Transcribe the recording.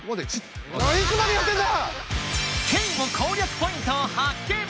いつまでやってんだ！